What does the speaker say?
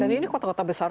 dan ini kota kota besar